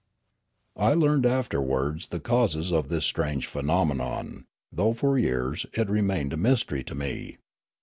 I learned afterwards the causes of this strange phe nomenon, though for years it remained a niysterj' to me.